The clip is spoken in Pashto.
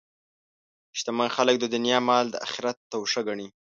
شتمن خلک د دنیا مال د آخرت توښه ګڼي.